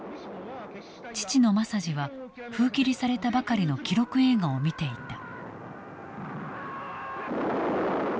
父の政次は封切りされたばかりの記録映画を見ていた。